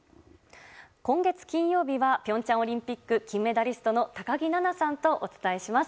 今月金曜日は平昌オリンピック金メダリストの高木菜那さんとお伝えします。